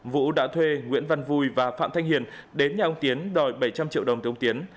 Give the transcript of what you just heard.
vũ đã thuê nguyễn văn vui và phạm thanh hiền đến nhà ông tiến đòi bảy trăm linh triệu đồng từ ông tiến